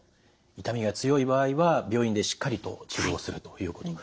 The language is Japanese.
痛みが強い場合は病院でしっかりと治療するということ。